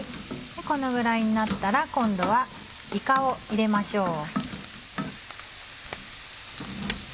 このぐらいになったら今度はいかを入れましょう。